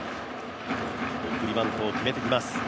送りバントを決めていきます。